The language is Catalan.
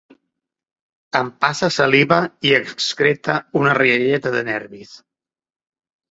Empassa saliva i excreta una rialleta de nervis.